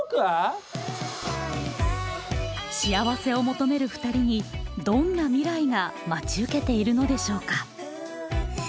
幸せを求めるふたりにどんな未来が待ち受けているのでしょうか？